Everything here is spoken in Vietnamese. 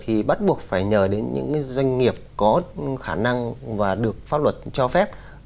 thì bắt buộc phải nhờ đến những doanh nghiệp có khả năng và được pháp luật cho phép